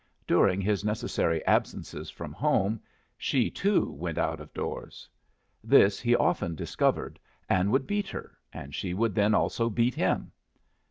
During his necessary absences from home she, too, went out of doors. This he often discovered, and would beat her, and she would then also beat him.